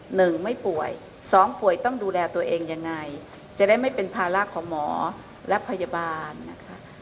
หนึ่งไม่ป่วยสองป่วยต้องดูแลตัวเองยังไงจะได้ไม่เป็นภาระของหมอและพยาบาลนะคะ